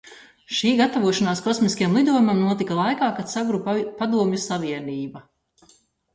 Šī gatavošanās kosmiskajam lidojumam notika laikā, kad sagruva Padomju Savienība.